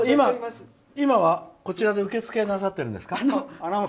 今はこちらで受け付けをなさってるんですか？